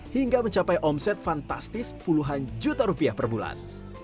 hingga mencapai omset fantastis puluhan juta rupiah per bulan